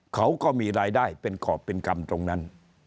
เขาก็มีรายได้เป็นกรอบเป็นกรรมตรงนั้น